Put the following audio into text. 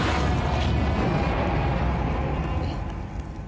えっ？